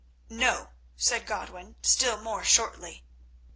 "No," said Godwin, still more shortly.